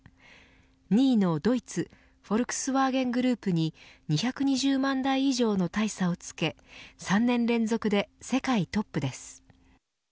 ２位のドイツフォルクスワーゲングループに２２０万台以上の大差をつけ３年連続で世界トップです。